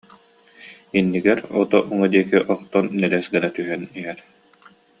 Иннигэр ото уҥа диэки охтон нэлэс гына түһэн иһэр